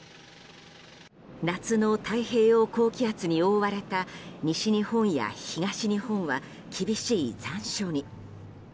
夏の太平洋高気圧に覆われた西日本や東日本は厳しい残暑に。